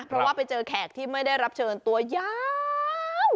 เพราะว่าไปเจอแขกที่ไม่ได้รับเชิญตัวยาว